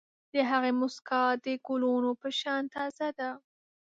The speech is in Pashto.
د هغې موسکا د ګلونو په شان تازه ده.